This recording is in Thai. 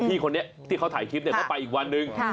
พี่คนนี้ที่เขาถ่ายคลิปก็ไปอีกวันหนึ่ง